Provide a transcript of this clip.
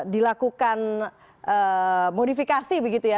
dilakukan modifikasi begitu ya